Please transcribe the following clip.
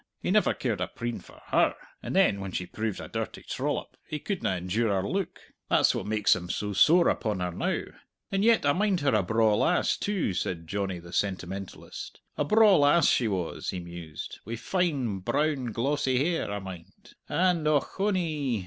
He never cared a preen for her, and then when she proved a dirty trollop, he couldna endure her look! That's what makes him so sore upon her now. And yet I mind her a braw lass, too," said Johnny the sentimentalist, "a braw lass she was," he mused, "wi' fine, brown glossy hair, I mind, and ochonee!